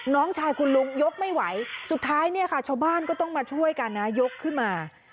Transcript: น้องชายคุณลุงยกไม่ไหวสุดท้ายเนี่ยค่ะชาวบ้านก็ต้องมาช่วยกันนะยกขึ้นมา